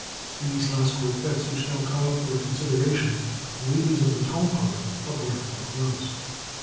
In the last quartets which now come up for consideration, the labors of the tone poet are brought to a close.